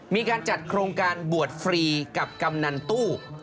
มีการจัดโครงการบวชฟรีกับกำนันตู้